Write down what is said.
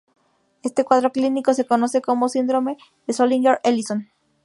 Este cuadro clínico se conoce como síndrome de Zollinger-Ellison.